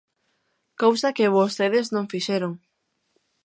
Cousa que vostedes non fixeron.